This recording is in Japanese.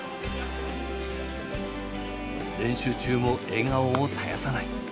練習中も笑顔を絶やさない。